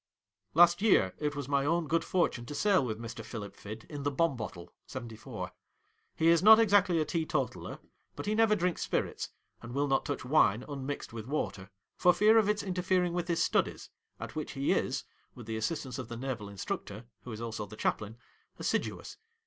Last year it was my own good fortune to sail with Mr. Philip Fid in the ' Bombottle ' (74). He is not exactly a tee totaller : but he never drinks spirits, and will not touch wine unmixed with water, for fear of its in terfering witli his studies, at which he is, with the assistance of the naval instructor (who is also our chaplain), assiduous.